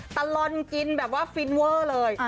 ตลอดกินแบบว่าฟินเวอร์เลย